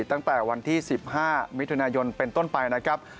ตั้งแต่วันที่๑๕มิถุนายนเป็นต้นไปนะครับ